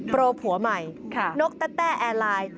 โปรผัวใหม่นกแต้แอร์ไลน์